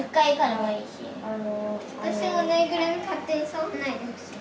私の縫いぐるみ勝手に触らないでほしい。